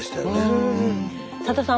うん。